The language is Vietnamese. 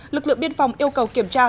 lực lượng biên phòng yêu cầu kiểm tra